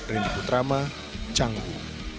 rindu putrama canggu